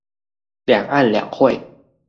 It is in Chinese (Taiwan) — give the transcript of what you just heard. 兩岸兩會